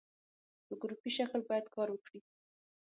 په ګروپي شکل باید کار وکړي.